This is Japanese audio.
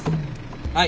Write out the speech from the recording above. はい。